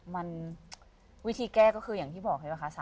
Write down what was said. มันวิธีแก้ก็คืออย่างที่บอกใช่ป่ะคะ